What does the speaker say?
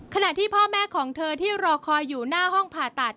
ขณะที่พ่อแม่ของเธอที่รอคอยอยู่หน้าห้องผ่าตัด